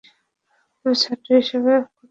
তবে ছাত্র হিসেবে করতে দেখেছি।